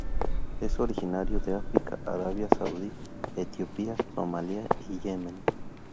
Es originario de África, Arabia Saudí, Etiopía, Somalía y Yemen.